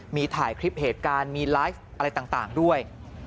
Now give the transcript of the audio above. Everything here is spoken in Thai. มีถ่ายคลิปเหตุการณ์มีไลฟ์อะไรต่างด้วย